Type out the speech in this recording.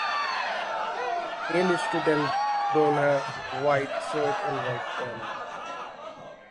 Male students don a white shirt and white pants.